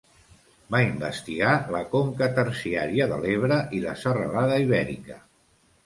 Va investigar la conca terciària de l'Ebre i la serralada Ibèrica.